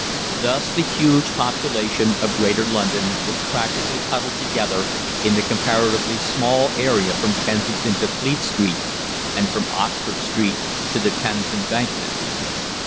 Thus the huge population of greater London was practically huddled together in the comparatively small area from Kensington to Fleet Street, and from Oxford Street to the Thames Embankment.